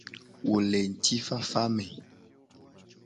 Wo le ngtifafa me.